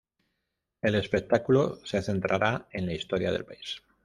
El espectáculo se centrará en la historia del país.